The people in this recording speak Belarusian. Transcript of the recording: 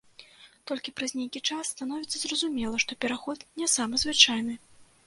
Толькі праз нейкі час становіцца зразумела, што пераход не самы звычайны.